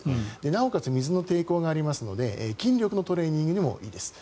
なおかつ水の抵抗がありますので筋力のトレーニングにもいいです。